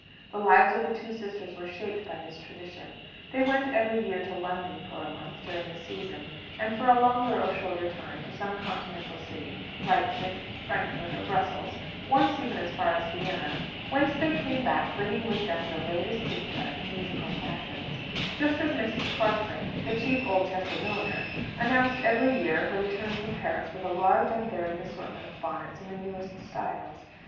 The lives of the two sisters were shaped by this tradition. They went every year to London for a month during the season; and, for a longer or shorter time, to some Continental city, Leipsic, Frankfort, or Brussels: once, even, as far as Vienna, whence they came back bringing with them the latest dicta in musical fashions, just as Mrs. Clarkson, the chief Oldchester milliner, announced every year her return from Paris with a large and varied assortment of bonnets in the newest styles.